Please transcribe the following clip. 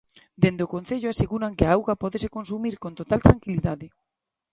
Dende o Concello aseguran que a auga pódese consumir con total tranquilidade.